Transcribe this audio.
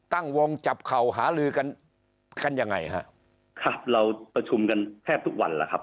ตั้งวงจับเข่าหาลือกันกันยังไงฮะครับเราประชุมกันแทบทุกวันแล้วครับ